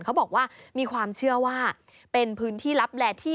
เขาบอกว่ามีความเชื่อว่าเป็นพื้นที่ลับแลที่